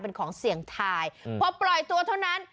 เป็นของเสี่ยงทายพอปล่อยตัวเท่านั้น